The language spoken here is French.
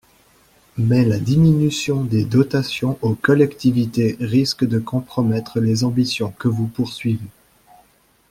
Mais la diminution des dotations aux collectivités risque de compromettre les ambitions que vous poursuivez.